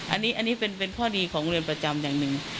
อันนี้เป็นข้อดีของเรือนประจำอย่างหนึ่ง